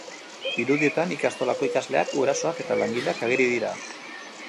Irudietan ikastolako ikasleak, gurasoak eta langileak ageri dira.